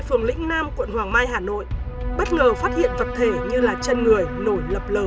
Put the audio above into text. phường lĩnh nam quận hoàng mai hà nội bất ngờ phát hiện vật thể như là chân người nổi lập lờ